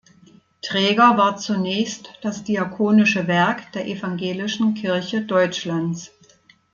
Träger war zunächst das diakonische Werk der evangelischen Kirche Deutschlands.